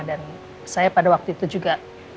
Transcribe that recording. saya pada waktu itu juga